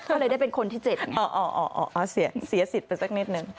ก็เลยได้เป็นคนที่๗เสียสิทธิ์ไปสักนิดนึง